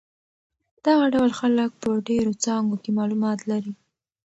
دغه ډول خلک په ډېرو څانګو کې معلومات لري.